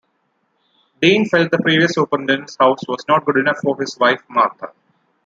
Deane felt the previous superintendent's house was not good enough for his wife Martha.